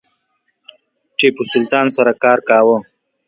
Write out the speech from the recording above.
ټیپو سلطان سره کار کاوه.